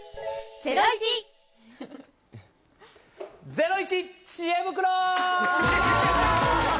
ゼロイチ知恵袋！